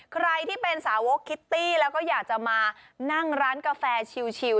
ใครที่เป็นสาวกคิตตี้แล้วก็อยากจะมานั่งร้านกาแฟชิว